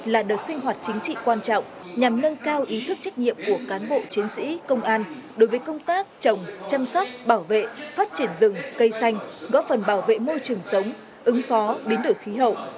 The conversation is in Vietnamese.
là đợt sinh hoạt chính trị quan trọng nhằm nâng cao ý thức trách nhiệm của cán bộ chiến sĩ công an đối với công tác trồng chăm sóc bảo vệ phát triển rừng cây xanh góp phần bảo vệ môi trường sống ứng phó biến đổi khí hậu